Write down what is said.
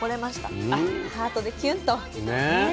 あっハートでキュンと。ね。